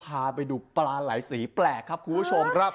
พาไปดูปลาไหลสีแปลกครับคุณผู้ชมครับ